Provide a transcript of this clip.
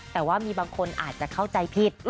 แต่ว่ามีบางคนอาจจะเข้าใจผิด